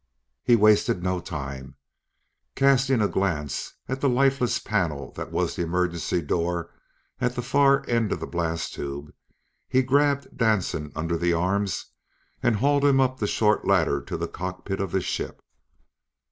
He wasted no time. Casting a glance at the lifeless panel that was the emergency door at the far end of the blast tube, he grabbed Danson under the arms and hauled him up the short ladder to the cockpit of the ship.